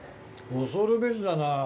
恐るべしだな。